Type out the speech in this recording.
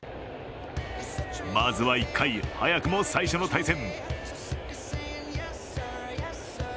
まずは１回、早くも最初の対戦。